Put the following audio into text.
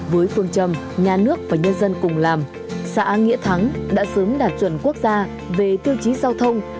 với phương trầm nhà nước và nhân dân cùng làm xã nghĩa thắng đã sớm đạt chuẩn quốc gia về tiêu chí giao thông